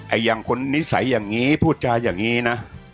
อย่างคนนิสัยอย่างนี้พูดจาอย่างนี้นะ